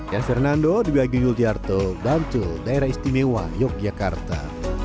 dan fernando di bagian yul tiharto bantul daerah istimewa yogyakarta